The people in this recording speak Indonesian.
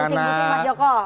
jangan berisik bisik mas joko